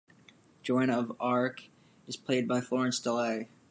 Joan of Arc is played by Florence Delay.